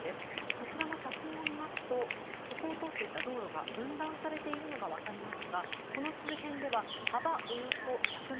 こちらの写真を見ますとここを通っていた道路が分断されているのが分かりますが、この周辺では幅およそ１００ｍ